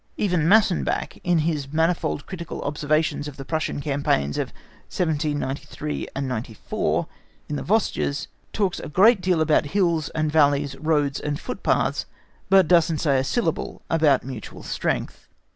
Even Massenbach, in his manifold critical observations on the Prussian campaigns of 1793 94 in the Vosges, talks a great deal about hills and valleys, roads and footpaths, but does not say a syllable about mutual strength.